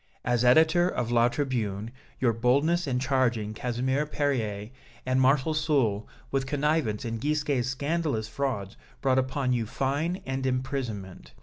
As editor of 'La Tribune,' your boldness and charging Casimir Perier and Marshal Soult with connivance in Gisquet's scandalous frauds brought upon you fine and imprisonment.